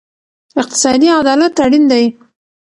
اقتصادي عدالت اړین دی.